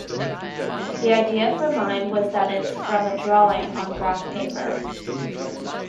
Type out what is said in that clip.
The idea for mine was that it's from a drawing on graph paper.